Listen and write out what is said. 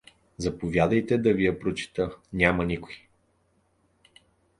Заповядайте да ви я прочета: няма никой!